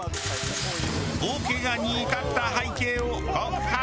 大ケガに至った背景を告白。